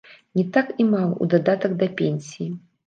Не так і мала ў дадатак да пенсіі.